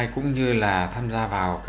cũng như là tham gia vào